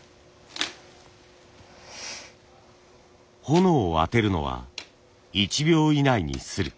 炎を当てるのは１秒以内にする。